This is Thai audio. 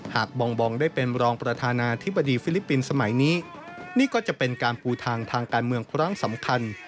บองบองได้เป็นรองประธานาธิบดีฟิลิปปินส์สมัยนี้นี่ก็จะเป็นการปูทางทางการเมืองครั้งสำคัญ